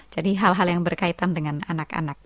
jadi hal hal yang berkaitan dengan anak anak